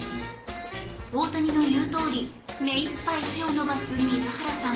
大谷の言うとおり目いっぱい手を伸ばす水原さん。